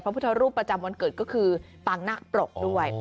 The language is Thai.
พุทธรูปประจำวันเกิดก็คือปางนาคปรกด้วย